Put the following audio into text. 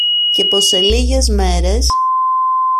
και πως σε λίγες μέρες